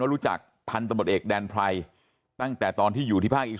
รู้จักพันธมตเอกแดนไพรตั้งแต่ตอนที่อยู่ที่ภาคอี